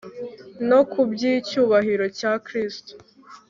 no ku bw'icyubahiro cya kristo